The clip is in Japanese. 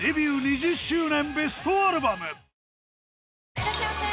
いらっしゃいませ！